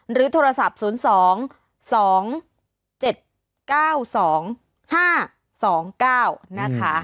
โทรศัพท์๐๒๒๗๙๒๕๒๙นะคะ